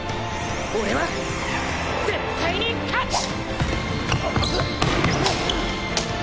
俺は絶対に勝つ！！